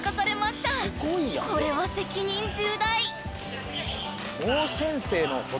［これは責任重大］